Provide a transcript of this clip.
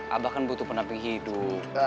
abah kan butuh pendamping hidup